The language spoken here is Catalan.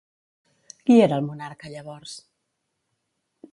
Qui era el monarca llavors?